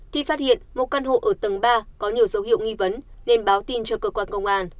thì phát hiện một căn hộ ở tầng ba có nhiều dấu hiệu nghi vấn nên báo tin cho cơ quan công an